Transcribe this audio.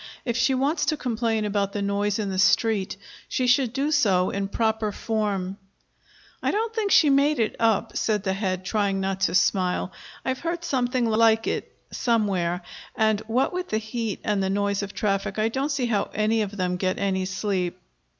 If she wants to complain about the noise in the street, she should do so in proper form." "I don't think she made it up," said the Head, trying not to smile. "I've heard something like it somewhere, and, what with the heat and the noise of traffic, I don't see how any of them get any sleep."